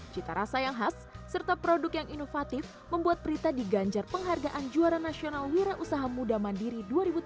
cita rasa yang khas serta produk yang inovatif membuat prita diganjar penghargaan juara nasional wira usaha muda mandiri dua ribu tujuh belas